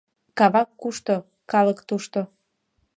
Кавак кушто — калык тушто.